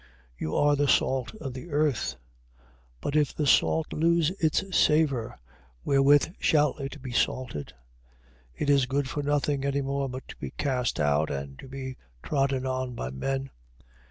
5:13. You are the salt of the earth. But if the salt lose its savour, wherewith shall it be salted? It is good for nothing anymore but to be cast out, and to be trodden on by men.